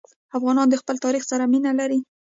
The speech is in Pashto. افغانان د خپل تاریخ سره مینه لري.